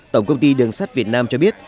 tổng công ty đường sắt việt nam cho biết